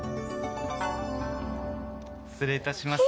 失礼いたします。